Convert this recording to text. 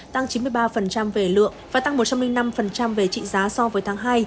tăng chín mươi ba về lượng và tăng một trăm linh năm về trị giá so với tháng hai